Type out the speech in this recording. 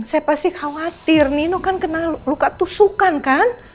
saya pasti khawatir nino kan kena luka tusukan kan